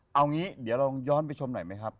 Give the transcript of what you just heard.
เอางี้เดี๋ยวเราย้อนไปชมหน่อยไหมครับ